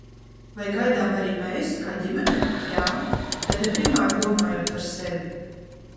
Vai gaidām arī mēs, kā ģimene? Jā. Bet ne primāri domājot par sevi.